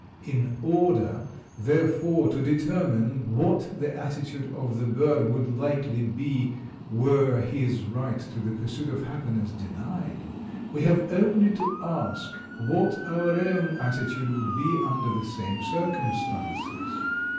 In order, therefore, to determine what the attitude of the bird would likely be were his right to the pursuit of happiness denied, we have only to ask what our own attitude would be under the same circumstances.